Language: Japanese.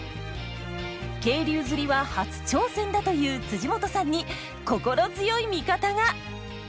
渓流釣りは初挑戦だという本さんに心強い味方が！